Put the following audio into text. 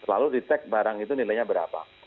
lalu dicek barang itu nilainya berapa